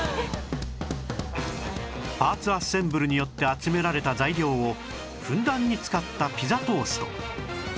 パーツアッセンブルによって集められた材料をふんだんに使ったピザトースト